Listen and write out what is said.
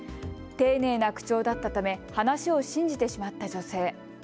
丁寧な口調だったため話を信じてしまった女性。